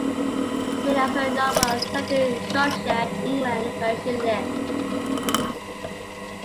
Many of her novels are set in Shropshire, England where she lives.